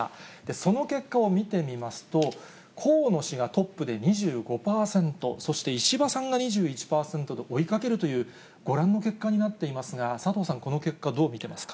その結果を見てみますと、河野氏がトップで２５％、そして石破さんが２１％と、追いかけるというご覧の結果になっていますが、佐藤さん、この結果、どう見てますか？